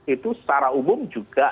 itu secara umum juga